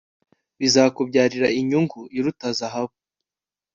bizakubyarira inyungu iruta zahabu